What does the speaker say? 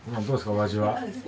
お味は。